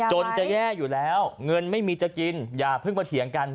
จนจะแย่อยู่แล้วเงินไม่มีจะกินอย่าเพิ่งมาเถียงกัน